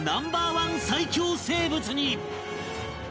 １最恐生物に